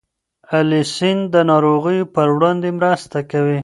الیسین د ناروغیو پر وړاندې مرسته کوي.